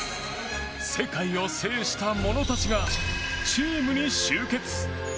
世界を制した者たちがチームに集結。